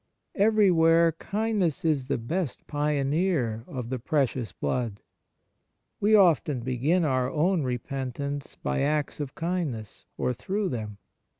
Everywhere kind ness is the best pioneer of the Precious Blood. We often begin our own repent ance by acts of kindness, or through them.